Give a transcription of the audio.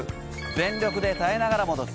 全力で耐えながら戻す。